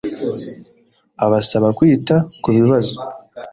abasaba kwita ku bibazo